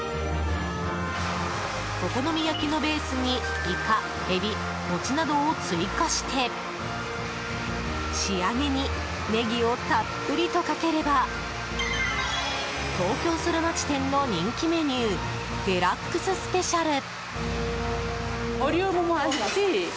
お好み焼きのベースにイカ、エビ、餅などを追加して仕上げにネギをたっぷりとかければ東京ソラマチ店の人気メニューデラックススペシャル。